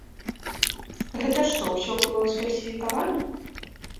Гэта што, усё было сфальсіфікавана?